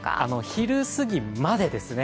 昼過ぎまでですね